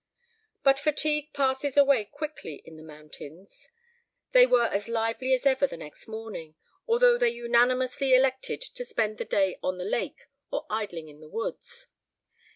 But fatigue passes away quickly in the mountains. They were as lively as ever the next morning, although they unanimously elected to spend the day on the lake or idling in the woods.